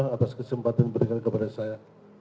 atas kesempatan berdiri kepada saya